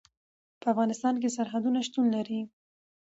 په افغانستان کې سرحدونه شتون لري.